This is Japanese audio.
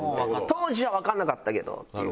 当時はわかんなかったけどっていう。